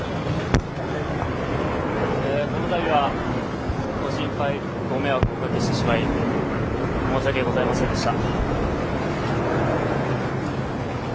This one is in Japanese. このたびは、ご心配、ご迷惑をおかけしてしまい、申し訳ございませんでした。